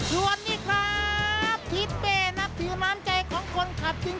ช่วงนี้ครับพีชเป้นักถือน้ำใจของคนขับจริง